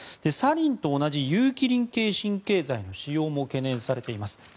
サリンと同じ有機リン系神経剤の使用も懸念されています。